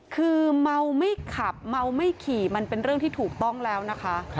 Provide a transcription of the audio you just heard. คือเมาไม่ขับเมาไม่ขี่มันเป็นเรื่องที่ถูกต้องแล้วนะคะ